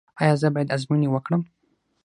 ایا زه باید ازموینې وکړم؟